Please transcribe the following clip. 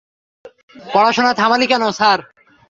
পড়াশোনা থামালি কেন, স্যার?